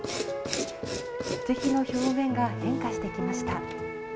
樹皮の表面が変化してきました。